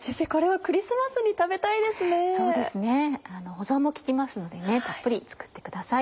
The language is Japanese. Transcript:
保存も利きますのでたっぷり作ってください。